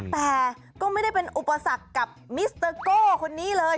แต่ก็ไม่ได้เป็นอุปสรรคกับมิสเตอร์โก้คนนี้เลย